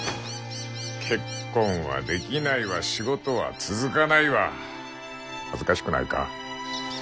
結婚はできないわ仕事は続かないわ恥ずかしくないか？